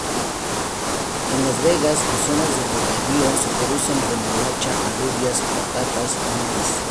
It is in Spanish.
En las vegas y zonas de regadío se producen remolacha, alubias, patatas y maíz.